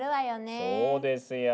そうですよ。